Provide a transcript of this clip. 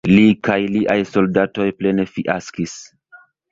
Li kaj liaj soldatoj plene fiaskis.